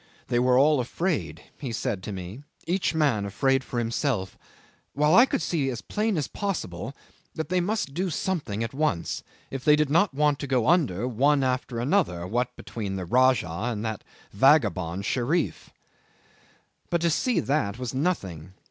"They were all afraid," he said to me "each man afraid for himself; while I could see as plain as possible that they must do something at once, if they did not want to go under one after another, what between the Rajah and that vagabond Sherif." But to see that was nothing.